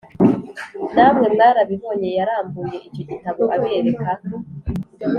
namwe mwarabibonye Yarambuye icyo gitabo abereka